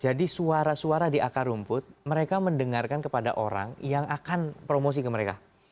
jadi suara suara di akar rumput mereka mendengarkan kepada orang yang akan promosi ke mereka